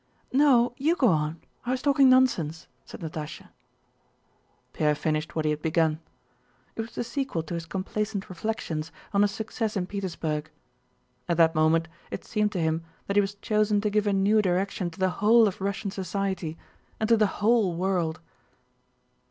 "No, you go on, I was talking nonsense," said Natásha. Pierre finished what he had begun. It was the sequel to his complacent reflections on his success in Petersburg. At that moment it seemed to him that he was chosen to give a new direction to the whole of Russian society and to the whole world.